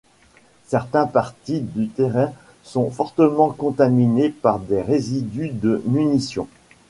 Certaines parties du terrain sont fortement contaminées par des résidus de munitions.